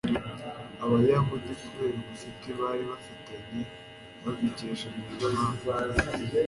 abayahudi kubera ubucuti bari bafitanye, babikesheje yohani